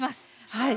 はい。